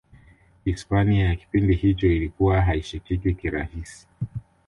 hispania ya kipindi hicho ilikuwa haishikiki kirahisi